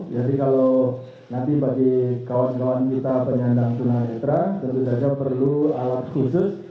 jadi kalau nanti bagi kawan kawan kita penyandang tunanitra tentu saja perlu alat khusus